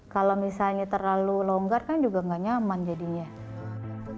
kalau misalnya terlalu longgar kan juga nggak nyaman jadinya